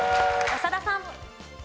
長田さん。